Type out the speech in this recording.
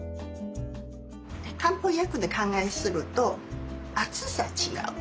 漢方薬で考えすると熱さ違う。